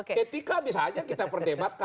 etika bisa saja kita perdebatkan